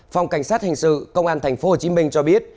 phòng cảnh sát hình sự công an tp hcm cho biết